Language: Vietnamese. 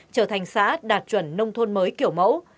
trở thành xã đạt chuẩn nông thôn mới kiểu mẫu